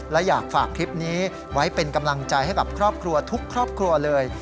และอยากฝากคลิปนี้ไว้เป็นกำลังใจให้กับครอบครัวทุกครอบครัวเลย